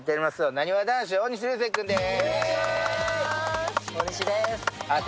なにわ男子の大西流星君です。